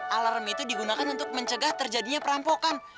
alarm itu digunakan untuk mencegah terjadinya perampokan